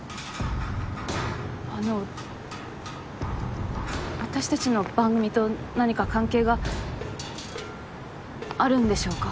あの私たちの番組と何か関係があるんでしょうか？